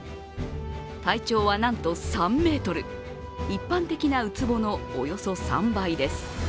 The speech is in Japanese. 体長はなんと３ｍ一般的なうつぼのおよそ３倍です。